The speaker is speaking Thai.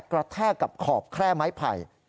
แทกกับขอบแคร่ไม้ไผ่